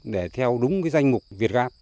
để theo đúng danh mục việt gáp